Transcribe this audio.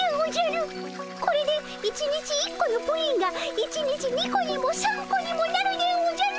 これで１日１個のプリンが１日２個にも３個にもなるでおじゃる！